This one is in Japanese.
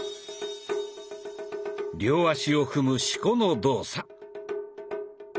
両足を踏む四股の動作。